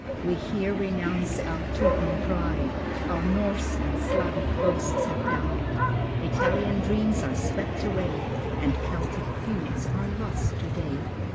We here renounce our Teuton pride: Our Norse and Slavic boasts have died: Italian dreams are swept away, And Celtic feuds are lost today....